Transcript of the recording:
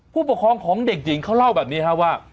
ผู้ปกครองของเด็กหญิงเขาเล่าแบบนี้ครับว่า